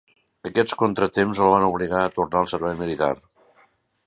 Aquests contratemps el van obligar a tornar al servei militar.